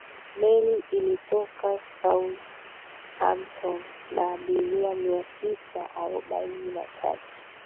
meli ilitoka southampton na abiria mia tisa arobaini na tatu